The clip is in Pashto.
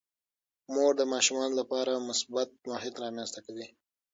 مور د ماشومانو لپاره مثبت محیط رامنځته کوي.